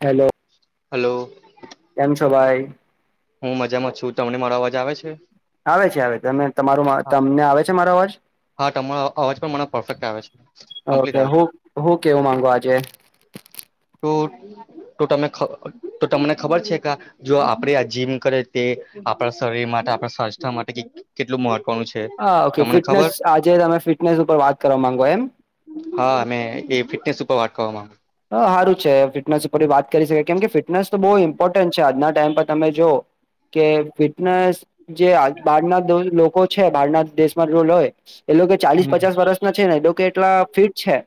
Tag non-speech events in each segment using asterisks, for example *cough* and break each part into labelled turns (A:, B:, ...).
A: Hello
B: hello
A: કેમ છો ભાઈ?
B: હું મજામાં છું. તમને મારો અવાજ આવે છે?
A: આવે છે આવે છે ત તમારો તમને આવે છે મારો અવાજ
B: હા તમારો અવાજ પણ મને પરફેક્ટ આવે છે કમ્પ્લીટ
A: ઓકે
B: આવે છે ત
A: હું હું કેવું માંગો આજે
B: તો તમે તો તમને ખબર છે ક જો આપણેે આ જીમ કરે તે આપણા શરીર માટે આપણા સ્વાસ્થ્ય માટે કેટલું મહ
A: હા ઓકે ફિટનેસ આજે તમે ફિટનેસ ઉપર વાત કરવા માંગો એમ
B: હા મેમે એ ફિટનેસ ઉપર વાટ કરવા માંગુ
A: સારું છે ફિટનેસ ઉપર વાત કરી શકે કેમ કે ફિટનેસ તો બહુ ઇમ્પોર્ટન્ટ છે આજના ટાઈમ પર તમે જો કે ફિટનેસ જે બહાર ના લોકો છે બહાર ના દેશમાં રોલ હોય એ લોકો
B: હમ
A: ચાલીસ પચાસ વર્ષ છે ને કે એટલા ફિટ છે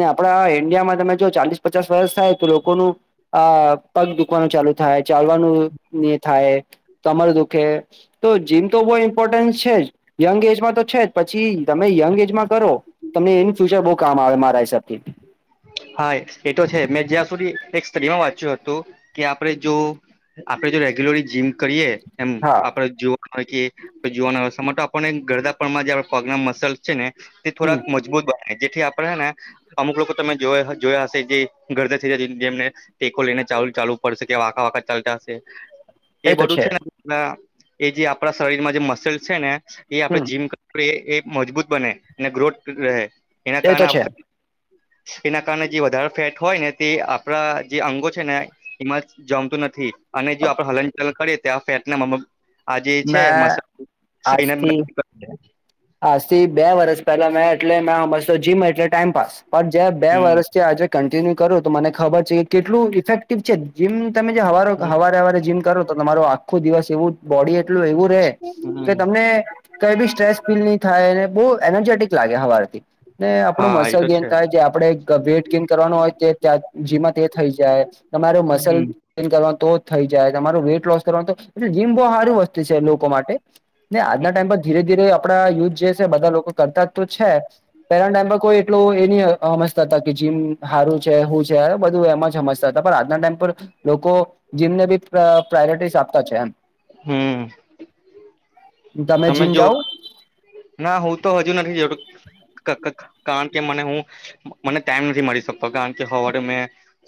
A: ને આપડા ઈન્ડિયામાં તમે જો ચાલીસ પચાસ વર્ષ થાય તો લોકોનું આ પગ દુખ કવાનું ચાલુ થાય ચાલવાનું થાય તમા તમારું દુઃખે તો જીમ તો બહુ ઇમ્પોર્ટન્સ છે જ યંગ એજમાં તો છે જ પછી તમે યંગ એજમાં કરો તમને ઇન ફ્યુચર બહુ કામ આવે મારા હિસાબથી
B: હા એ તો છે મેં જ્યાં સુધી એક સ્ટડીમાં વાંચ્યું હતું કે આપડ જો આપડે જો રેગ્યુલરલી જીમ કરીએ એમ
A: હા
B: આપડ જો જોવાનુંય તો આપને ગરદાપમાં જે પગ ના મસલ્સ છે ને તે
A: હમ
B: થોડાક મજા મજબૂત બ જેથી આપણે ને અમુક લોકો તમે જો જોયા હશે જે ગરદર જેમને ટેકો લઈને ચાલ ચાલુ પડશે કે આખા વાખા ચાલતાશે એ બધું છે ને એ જે આપણા શરીરમાં જે મસલ્સ છે ને એ આપડે
A: હમ
B: જીમ એ મજબૂત બને અને ગ્રોથ રહે એના
A: એ તો
B: કારણે
A: છે
B: એના કારણે જે વધારે ફેટ હોય ને તે આપણા જે અંગો છે ને એમાં જમતું નથી અને
A: અ,
B: જો આપડે હલનચલન કરીએ ત્યા આ ફેટ ના આ જે છે
A: મેં
B: મ બ
A: આજ થી બે વર્ષ પહેલા મે એટલે મે તો જીમ એટલે ટાઈમપાસ પણ જે બે
B: હમ
A: વર્ષથી આજે કન્ટિન્યુ કરો તો મને ખબર છે કેટલું ઇફેક્ટ જમ તમે જેવારે હવારે જીમ કરો તો તમારો આખો દિવસ એવું બોડી એટલું એવું રે કે
B: હમ
A: તમને કઈ બી સ્ટ્રેસ ફીલ નહી થાયને બહુ એનર્જેટિક લાગે હવારથી ને આપણું
B: હા એ
A: મસલ
B: તો
A: ગેન
B: છે
A: થાય જે આપડે વેઇટ ગેન કરવાનો હોય તં જીમાં તે થઈ જાય તમારો મસલ
B: હમ
A: કરવાનું તો થઈ જાય તમાર વેઇટ લોસ કરવાનું તો એટલે જીમ બહુ સાર વસ્તુ છે લોકો માટે ને આજના ટાઈમ પર ધીરે ધીરે આપડા યુથ જે છે બધા લોકો કરતા જ તો છે પહેલા ટાઈમ પર કોઈ એ એની સમજતા હતા કે જીમ સારું છે હું છે બધું એમાં જ સમજતા હતા પણ આજના ટાઈમ પર લોકો જીમને બી પ્રાયોરિટીસ આપતા છે એમ
B: હમ
A: તમે જીમ જાાવ
B: ના હું તો હજુ નથી જો કારણ કે મને હું મને ટાઈમ નથી મળી શકતો કારણ કે સવારે મેં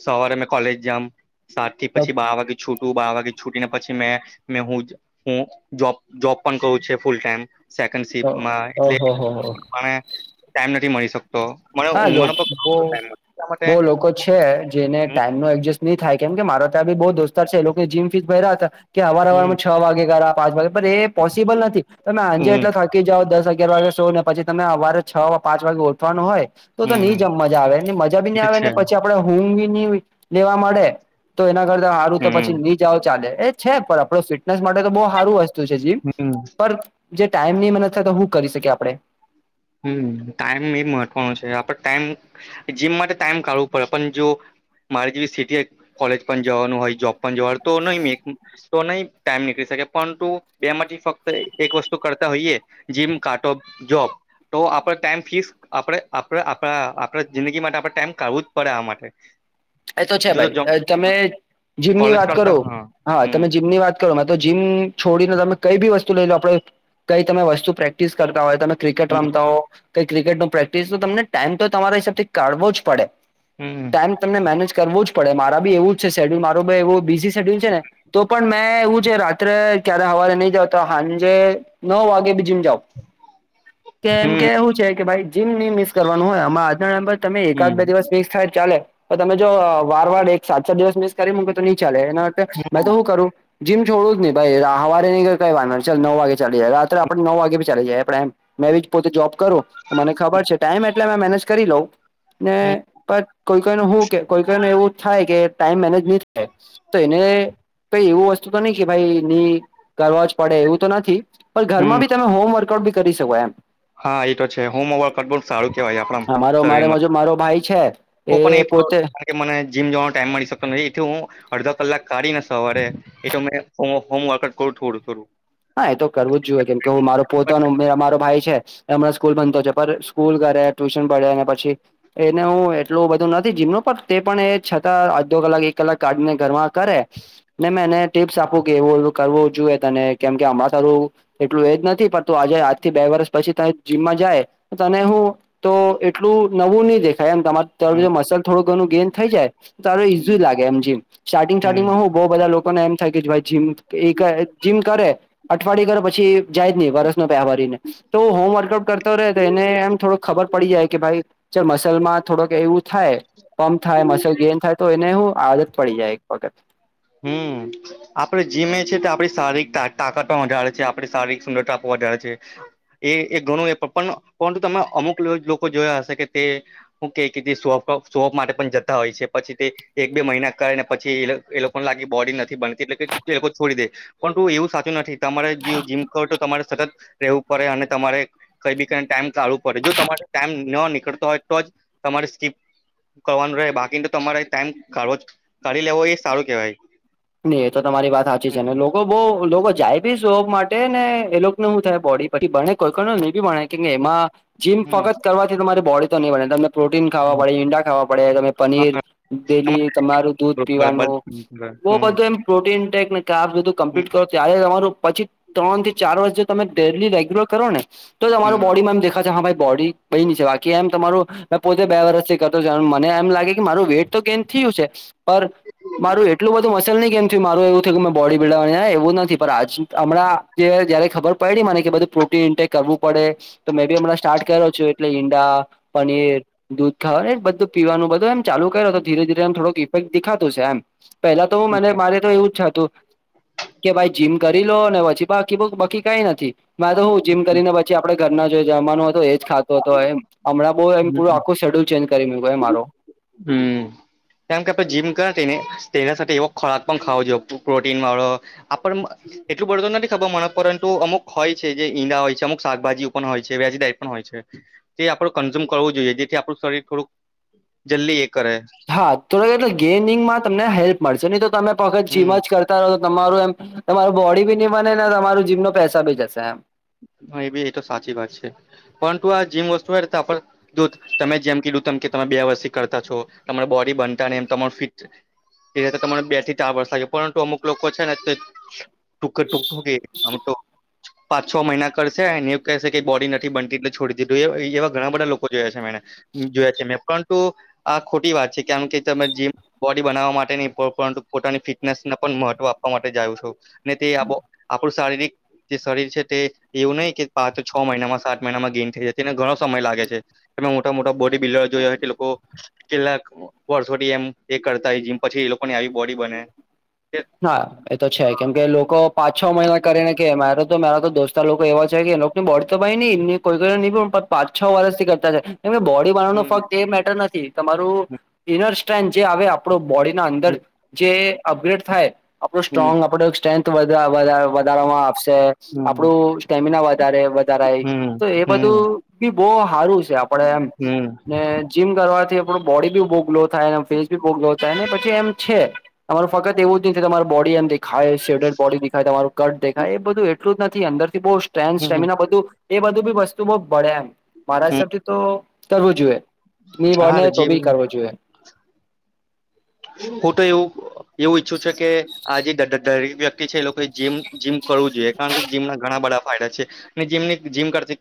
B: સવારે મેં કોલેજ જમ સાત થી પછી બાર વાગે છૂટ ત બાર વાગે છુટી ને પછી મે મે હું હું જોબ જોબ પણ કું છ છે ફૂલ ટાઈમ સેકન્ડ એટલેમા
A: ઓહો હો હો
B: ટાઈમ નથી મળી શકતો મને
A: હા
B: ઊંઘવાનો પણ ઘણો બધો
A: બહ
B: ટાઈમ મળે એટલા માટે
A: બહ લોકો છે જેને ટાઈમ નો એડજસ્ટ નહી થાય કેમ કે મારા ત્યાં બુ દોસ્તાર છે એ લોકો જમ ફી ભ હતા કે અવાર
B: હમ
A: અવારમાં છ વાગે કરયા પાંચ વાગે એ પોસિબલ નથી તમે આંજે
B: હમ
A: એટલા થ બાકી જાઓ દસ અગિયાર વાગે સો ને પછી તમે અવારે છ વા પાંચ વાગે ઓઠવાનું હોય તો તો નહી
B: હમ
A: જમ મજા આવે મજા ભી નહી
B: એ છે
A: આવે પછી આપડે હુંંગ બી ન લેવા મળડે તો એના કરતા સારું તો પછી
B: હમ
A: નહી જાઓ ચાલે એ છે પણ આપડ ફિટનેસ માટે તો બહ સારું હશે.
B: હમ
A: જે ટાઈમ ની મનત થાય તો હું કરી શકી આપણે
B: હમ ટાઈમ એ મહત્વનો છે આપણે ટાઈમ જીમ માટે ટાઈમ કાઢવો પડે પણ જો મારે જેવી સિટી કોલેજ પણ જવાનું હોય જોબ પણ જવાનું તો નહી મે તો નહી ટાઈમ નીકળી શકે પરંતુ બે માંથી ફક્ત એક વસ્તુ કરતા હોઈએ. જીમ કાટ જોબ તો આપડ ટાઈમ ફિક્સ આપણે આપણે આપણા આપણા જિંદગી માટે આપણે ટાઈમ કાઢવું જ પડે આ માટે
A: એ તો છે
B: જો જોબ
A: ભાઈ તમે જીમની
B: કોલેજ
A: વાત કરો
B: કરતા
A: હા
B: હમ
A: તમે જીમની વાત તો જીમ છોડીને તમે કઈ બી વસ્તુ લઈ લો આપડે કઈ તમે વસ્તુ પ્રેક્ટિસ કરતા હોય તમે ક્રિકેટ
B: હમ
A: રમતા હો કઈ ક્રિકેટ ન પ્રેક્ટિસ તો તમને ટાઈમ તો તમારા હિસાબથી કાઢવો જ પડે
B: હમ
A: ટાઈમ તમને મેનેજ કરવો જ પડે મારા બી એવું જ છે શેડ્યુલ મારો બ એવું બીઝી શેડ્યુલ છે ને તો પણ મેં એવું છે રાત્રે ક્યારે હવારે નહી જાવતા સાંજે નવ વાગે બીજી જાાવ કે એમ
B: હમ
A: કે એવું છે કે ભાઈ જીમ ન મિસ કરવાનું હોય આ આજ તમે એકાદ
B: હમ
A: બે દિવસ મિક્સ થાય ચાલે તો તમે જો વાર વાર એક સાત સાત દિવસ મિકસ કરી મુકો તો ન ચાલે એના મેં તો શું કરું જીમ છોડું જ નહી ભાઈવારે ન કઈ વાર ચાલ નવ વાગે ચા જ અ આપણે નો વાગે ભ ચલી જાય આપણેમ મે એ પોતે જોબ કરું મને ખબર છે ટાઈમ એટલે મે મેનેજ કરી લઉ ને
B: હમ
A: બ કોઈ કોઈ ન શું કે કોઈકઈ ન એવું થાય કે ટાઈમ મેનેજમીન્ટ તો એને કઈ એવું વસ્તુ તો નહી કે ભાઈ નની કરવા જ પડે એવું તો નથી પણ ઘરમાં
B: હમ
A: બી તમે હોમવર્કઆઉટી કરી શકો એમ
B: હા એ તો છે હોમવર્કટબોલ સારું કેવાય આપણા
A: અમારો મારે
B: શરીરમાં
A: જો મારો ભાઈ છે
B: હું પણ એ એ મને જીમ જવાનો ટાઈમ મળી શકતો નથી એથી હું અડધો કલાક કાઢી ને સવારે એટ મેં હોમવર્કટ કરું થોડું થોડું
A: હા એ તો કરવું જ જોઈએ કેમ કે હું મારો પોતાનું
B: પણ
A: મારો ભાઈ છે હમણાં સ્કૂલ બનતો છે પણ સ્કૂલ કરે ટ્યુશન પડે અને પછી એને હું એટલું બધું નથી જીમનું પણ તે પણ એ છતાં અડધો કલાક એક કલાક કાઢીને ઘરમાં કરે ન મેં એને ટીપ્સ આપું કે એવું કરવું જોઈએ તને કેમ કે હમણાં એટલું એજ નથી પણ તું આજે આજ થી બે વરષ પછી ત જીમમાં જાય તને હું તો એટલું નવું નહી દેખાય થ એમ તમારે તારું જો મસલ થોડું ઘણું ગેન થઈ જાય તો તારું ઈઝુ લાગે એમ જેમ સ્ટાર્ટિંગ
B: હમ
A: સ્ટાર્ટિંગમાં હ બહ બધા લોકોને એમ થાય કે ભાઈ જીમ જીમ કરે અઠવાડિયે પછી જાય જ નહીિ વરસનો પહેવારીને તો હોમવર્કઆઉટ કરતો રહે તો એને એમ થોડોક ખબર પડી જાય કે ભાઈ ચ મસલ માં થોડક એવું થાય પમ્પ થાય મસલ ગેન થાય તો એને હું આદત પડી જાય એક વખત
B: હમ આપડ જીમે છે તે આપણી શારીરિક તાકાત પણ વધારે છે આપણી શારીરિક સુંદરતા વધારે છે એ એક ઘણું એ પરંતુ તમે અમુક લોકો જોયા હશે કે તે શું કે સોફ માટે પણ જતા હોય છે પછી તે એક બે મહિના કરે ને પછી એ લોકો પણ લાગી બોડી નથી બનતી એટલે કે એ લોકો છોડી દે પણ તું એવું સાચું નથી તમારે જે જીમ ક તો તમારે સતત રહેવું પડે અને તમારે કઈ બી કઈને ટાઈમ કાઢવું પડે જો તમારે ટાઈમ ન નીકળતો હોય તો જ તમારે સ્કીપ કરવાનું રહે બાકીને તમારે ટાઈમ કાઢવો કાી લેવો એ સારું કે ભાઈ
A: નઈ એ તો તમારી વાત સાચી છે ને લોકો બહુ લોકો જાય ભી શોક માટે ને એ લોકોને શું થાય બોડી પછી બને કોઈ કો નહી ભી ભણે કેમ એમાં જીમ
B: હમ
A: ફોકસ કરવાથી તમારી બોડી તો નહી ભણે ત પ્રોટીન ખાવા
B: હમ
A: પડે, ઈંડા ખાવા પડે, તમે પનીર,
B: હા તમા
A: ડેલી તમારું દૂધ
B: બરાબર
A: પીવાનું, બઉ
B: હમ
A: બધું એમ પ્રોટીન ટેકને કાર બધું
B: હમ
A: કમ્પલિટ ત્યારે તમારું પછી ત્રણ થી ચાર વર્ષ જો તમે ડેલી રેગ્યુલર કરો ને તો જ તમારું બોડીમા એમ દેખાશે, હા ભાઈ બોડી ની બાકી એમ તમારું મેં પોતે બે વર્ષથી કરતો મને એમ લાગે મારું વેટ તો ગેન થયું છે, પરમારું એટ મસલ નહીં કેમય મારું એવું થયું મેં બોડી બિલ્ડવા એવું નથી, પણ હમણાં જયારે ખબર પડી મને કે બધું પ્રોટીન ઇન્ટટેક કરવું પડે તો મે ભી હમણાં સ્ટાર્ટ કર્યો છું એટલે ઈંડા, પનીર દૂધ ખાવા, એ બધું પીવાનું બધુ એમ ચાલ કરો તો ધીરે ધીરે એમ થોડક ઇફેક્ટ દેખાતું છે એમ પેલા તો હ મને મારે તો એવું જ હતું કે ભાઈ જીમ કરી લો ને પછી બાકી બહુ બાકી કઈ નથી મે તો હું જીમ કરીને પછી આપડે ઘરના જો જવાનું તો એજ ખાતો હતો એ હમણાં બહ એમ પર આખું શેડ્યુલ ચેન્જ કરી મારો
B: હમ્મ જેમ કે આપણે જીમ કર તેને તેના સાથે એવો ખોરાક પણ ખાવો જોઈએ પ્રોટીન વાળો આપણ મ એટલું બડતું નથી ખબર મ પરંતુ અમુક હોય છે જે ઈંડા હોય છે, અમુક શાકભાજી પણ હોય છે, વેજિટેન પણ હોય છે. તે આપડું કન્ઝ્યુમ કરવું જોઈએ, જેથી આપણું શરીર થોડુંક જલ્દી એ કરે
A: હા તોડ ગેઇગમાં તમને હેલ્પ મળશે નહી, તો તમે પોત
B: હમ
A: જીમ જ કરતા રહો તમારું એમ તમારું બોડી ભી નહી બને, ને તમારું જીમ ન પૈસાા ભી જશે એમ.
B: હા એ ભી એ તો સાચી વાત છે, પરંતુ આ જીમ વસ્તુ આ પલ જો તમે જેમ કીધું ત કે તમે બે વર્ષ કરતા છો, તમારા બોડી બનતા ને તમારું ફિટ એ *unintelligible* તને બે થી ચાર વર્ષ લાગે પરંતુ અમુક લોકો છે ને ટૂક ટૂંક હુ કે અમ ટો પાંચ છ મહિના કરશે અને એવ કહેશે કે બોડી નથી બનતી એટલે છોડી દીધું એ એવા ઘણા બધા લોકો જોયા છે મેને જોયા છે મેં પરંતુ આ ખોટી વાત છે કેમ કે તમે જે બોડી બનાવવા માટે ન પરંતુ પોતાની ફિટનેસને પણ મહત્વ આપવા માટે જાવ છું. ને તે આપણું શારીરિક જે શરીર છે તે એવું નહી કે પાંચ તો છ મહિનામાં સાત મહિનામાં ગેન થઈ જાય છે તેને ઘણો સમય લાગે છે. એમાં મોટા મોટા બોડી બિલ્ડર જોયો એ લોકો કેટલાક વર્ષોથી એમ એ કરતાય જીમ પછી એ લોકોની આવી બોડી બને
A: હા એ તો છે કેમ કે લોકો પાંચ છ મહિના કરીને કે મારો ત મારા તો દોસ્તતાર લોકો એવા છે કે એ લોકો ની બોડી તો ભાઈ ન એ કોઈ ન પણ પાંચ છ વર્ષથી કરતા છે એમ બોડી વાળા નો
B: હમ
A: ફક્ત એ મેટર નથી તમારું ઇનર સ્ટ્રેન્થ જે આવે આપણ બોડીના અંદર જે અપગ્રેડ થાય આપણું
B: હમ
A: સ્ટ્રોંગ, આપડું સ્ટ્રેન્થ, વધા વધારે વધારામાં આવશે.
B: હમ
A: આપડું સ્ટેમિના વધારે વધારે
B: હમ
A: તો એ
B: હમ
A: બધું ભી બહ હારું સ છે આપડે એમ
B: હમ
A: ને જીમ કરવાથી આપડો બોડી બી ગ્લો ફસી બાય પછ એમ છે તમારું ફક્ત એવું જ નહીં કે તમા બોડી એમ ખાય બોડી દેખાય તમારું કટ દેખાય એ બધું એટલું જ નથી અંદરથી બહુ સ્ટ્રેન્થ
B: હમ
A: સ્ટેમિના બધું એ બધું ભી વસ્તુ બહ ભળે એમ મારા
B: હમ
A: હિસાબથી તો કરવું જોઈએ. નીઈ બો
B: હા
A: ને તો
B: જીમ
A: ભી કરવો
B: હું
A: જોઈએ.
B: હું તો એવું એવું ઈચ્છું છે કે આ *inaudible* કે છે એ લોકોમ જીમ કરવું જોઈએ કારણ કે જીમના ઘણા બધા ફાયદા છે. જિમ જિમ કરતી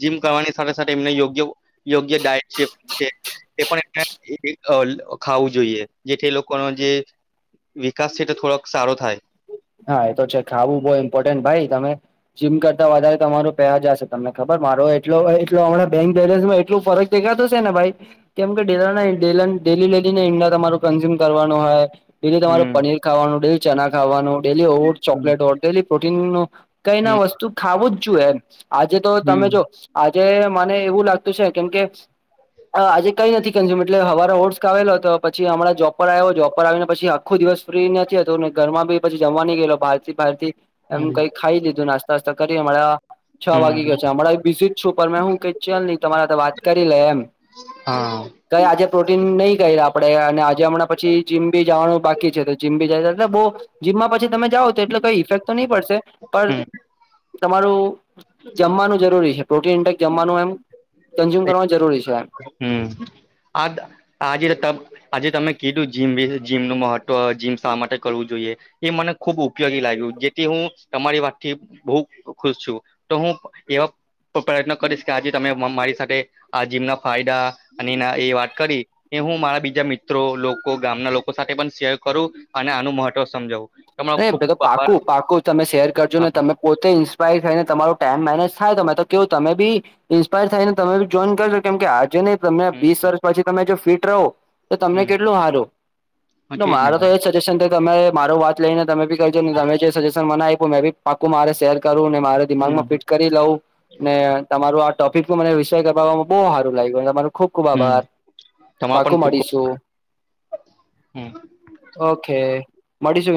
B: જીમ કરવાની સાથે સાથે એમને યોગ્ય યોગ્ય ડાયટ છે છે એ પણ એ ખાવું જોઈએ. જેથી એ લોકોનો જે વિકાસ છે તે થોડોક સારો થાય
A: હા એ તો છે ખાવું બહુ ઇમ્પોર્ટન્ટ ભાઈ તમે જીમ કરતા વધારે તમારો પહે જશે તમને ખબર મારો એટટ હમણાં બેંક બેલેન્સમાં એટલું ફરક દેખાડાતું છેે ને ભાઈ કેમ કે ડેલી ડેલી ને ઇંડા તમારું કન્ઝ્યુમ કરવાનું હોય. ડેલી તમારે
B: હમ
A: પનીર ખાવાનું ડેલી ચણા ખાવાનું ડેલી ઓ
B: હમ
A: ચોકલેટ હો ડેલી પ્રોટીનનું કઈના
B: હમ
A: વસ્તુ ખાવું જ જોઈએ એમ આજે તો તમે જો આજે મને એવું લાગતું છે કેમ કે હ આજે કંઈ નથી કમાયું એટલેવા ઓટ્સ આવેલો તો પછી હમણાં જોબ આવ્યો જોબ પર આવીને પછી આખો દિવસ ફ્રી નથી હતો ને ઘરમાં બીછી જમવાની ગયેલો બહાર થી પારથી કઈ ખાઈ લીધું નાસ્તા નાસ્તા કરી *unintelligible* છ
B: હમ
A: વાગી ગયો છે હમણાં વિીઝટ છું મેં હું કઈ ચલ નહી તમારા વાત કરી લે એમ
B: હા.
A: કઈ આજે પ્રોટીન નહીં કર આપણેે અને આજે હમણાં પછી જીમ બી જવાનું બાકી છે તો જીમબી જાય એટલે બો જીમમાં પછી તમે જાઓ તો એટલે કઈ ઇફેક્ટ તો નહીં પડશે પણ
B: હમ
A: તમારું જમવાનું જરૂરી છે પ્રોટીન ઇન્ટેક જમવાનું એમ કન્ઝ્યુમ કરવાનું જરૂરી છે એમ.
B: હમ્મ આ આજ તો આજે તમે કીધું જીમ જીમનું મહત્વ જીમ શા માટે કરવું જોઈએ એ મને ખુબ ઉપયોગી લાગ્યું જેથી હું તમારી વાતથી બહ ખુશ છું તો હું એવા તો પ્રયત્ન કરીશ કે આજે તમે મારી સાથે આ જીમના ફાયદા અને એ વાત કરી એ હું મારા બીજા મિત્રો લોકો ગામના લોકો સાથે પણ શેર કરું અને આનું મહત્વ સમજાવું. તમારો
A: ન
B: ખુબ
A: તો
B: ખુબ આભાર
A: પાકું પાકું તમે શેર કરજો ને
B: હા
A: તમે પોતે ઇન્સ્પાયર થઈને તમારો ટાઈમ મેનેજ થાય તમે તો કેવો તમે બી ઇન્સ્પાયર થાય ને તમે બી જોઈન કરશો કેમ કે આજે ને તમે
B: હમ
A: વીસ વર્ષ પછી તમે જો ફીટ રહો તો તમને
B: હમ
A: કેટલું હારો
B: હા
A: તો
B: તેજ ને
A: મારો
B: સર
A: તો એ છે *unintelligible* તમે મારો વાત લઈને તમે બી કરજો તમે જે સજેશન મને આપ્યું મેં બી પાકું મારે શેર મા દિમાગમાં
B: હમ
A: ફિટ કરી લઉ ને તમારું આ ટોપિકનું મને *unintelligible* બો હારું લાયગુ તમારો ખુબ ખુબ આભાર
B: હમ તમારો
A: પાકું મળીશું.
B: હમ્મ.
A: ઓકે મળીશું